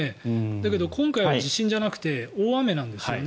だけど、今回は地震じゃなくて大雨なんですよね。